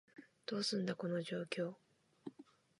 どうすんだ、この状況？